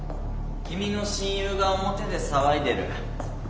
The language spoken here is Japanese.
君の親友が表で騒いでる。